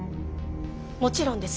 もちろんです。